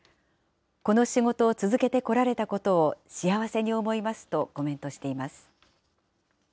この仕事を続けてこられたことを幸せに思いますとコメントしています。